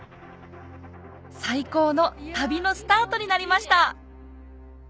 最高の旅のスタートになりました